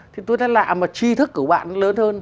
thì tôi thấy lạ mà chi thức của bạn nó lớn hơn